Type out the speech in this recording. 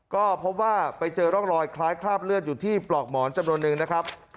ก็พบว่าไปเจอร่องรอยคล้ายคราบเลือดอยู่ที่ปลอกหมอนจำนวนนึงนะครับ